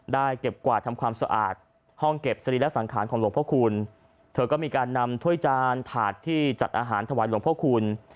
ได้เก็บกวาดทำความสะอาดห้องเก็บสรีระสังขารของหลวงพระคุณเธอก็มีการนำถ้วยจานถาดที่จัดอาหารถวายหลวงพ่อคูณ